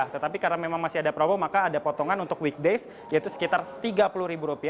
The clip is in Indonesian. tetapi karena memang masih ada promo maka ada potongan untuk weekdays yaitu sekitar rp tiga puluh